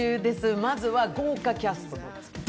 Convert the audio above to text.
まずは豪華キャスト、ド